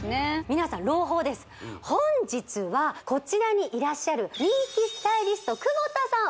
皆さん本日はこちらにいらっしゃる人気スタイリスト窪田さん